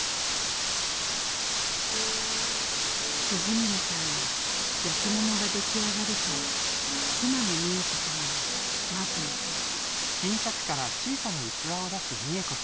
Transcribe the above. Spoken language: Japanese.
村さんは焼きものが出来上がると妻の三枝子さんにまず見せる。